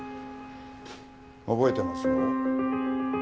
覚えてますよ。